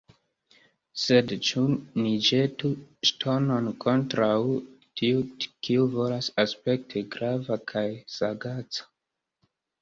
Sed ĉu ni ĵetu ŝtonon kontraŭ tiu, kiu volas aspekti grava kaj sagaca?